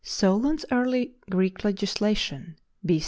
SOLON'S EARLY GREEK LEGISLATION B.